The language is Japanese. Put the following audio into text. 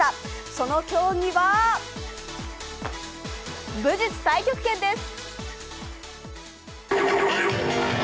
その競技は、武術太極拳です。